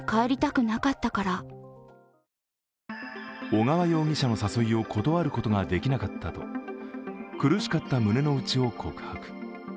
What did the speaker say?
小川容疑者の誘いを断ることができなかったと苦しかった胸の内を告白。